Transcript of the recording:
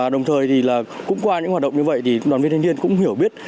đồng thời qua những hoạt động như vậy đoàn viên thanh niên cũng hiểu biết